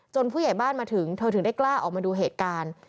ผู้ใหญ่บ้านมาถึงเธอถึงได้กล้าออกมาดูเหตุการณ์